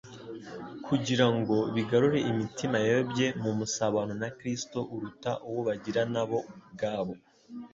kugira ngo bigarure imitima yayobye mu musabano na Kristo uruta uwo bagirana bo ubwabo.